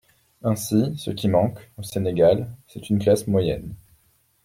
Ainsi, ce qui manque, au Sénégal, c’est une classe moyenne.